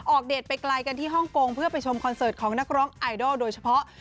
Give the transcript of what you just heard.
เดทไปไกลกันที่ฮ่องกงเพื่อไปชมคอนเสิร์ตของนักร้องไอดอลโดยเฉพาะ